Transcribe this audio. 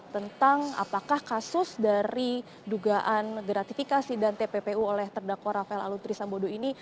tentang apakah kasus dari dugaan gratifikasi dan tppu oleh terdakwa rafael aluntri sambodo ini